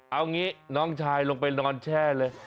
เอางี้น้องชายลงไปนอนแช่เลย